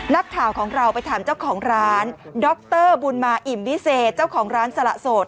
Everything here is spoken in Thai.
นักข่าวของเราไปถามเจ้าของร้านดรบุญมาอิ่มวิเศษเจ้าของร้านสละโสด